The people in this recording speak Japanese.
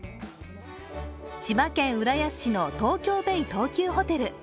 千葉県浦安市の東京ベイ東急ホテル。